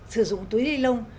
sử dụng túi ly lông